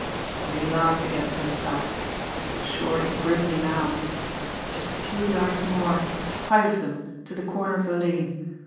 And he laughed again to himself but short and grimly now. Just a few yards more five of them to the corner of the lane.